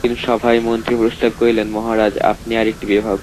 এক দিন সভায় মন্ত্রী প্রস্তাব করিলেন, মহারাজ, আপনি আর-একটি বিবাহ করুন।